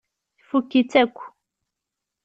Tfukk-itt akk.